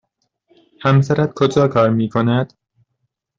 همسرت کجا کار می کند؟